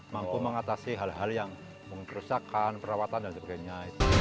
mampu mengatasi hal hal yang menggerusakan perawatan dan sebagainya